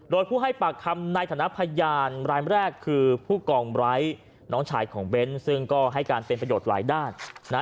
โดยผู้ให้ปากคำในฐานะพยานรายแรกคือผู้กองไร้น้องชายของเบ้นซึ่งก็ให้การเป็นประโยชน์หลายด้านนะฮะ